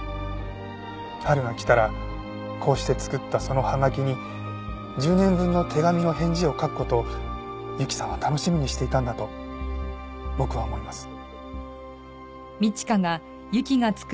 春が来たらこうして作ったその葉書に１０年分の手紙の返事を書く事を由紀さんは楽しみにしていたんだと僕は思います。